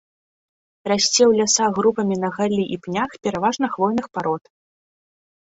Расце ў лясах групамі на галлі і пнях пераважна хвойных парод.